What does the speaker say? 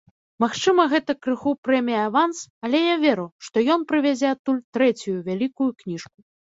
Магчыма, гэта крыху прэмія-аванс, але я веру, што ён прывязе адтуль трэцюю вялікую кніжку.